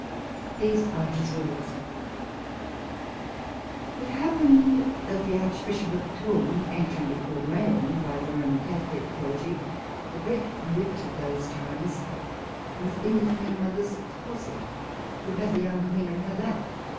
These are his words: It happened that the archbishop of Tuum (anciently called Meum by the Roman catholic clergy) the great wit of those times, was in the queen mother's closet, who had the young queen in her lap.